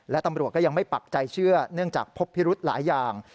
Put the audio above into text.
และตำรวจก็ยังไม่ปักใจเชื่อเนื่องจากพบพิรุธหลายอย่าง